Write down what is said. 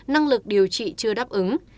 năng lực điều trị chưa đáp ứng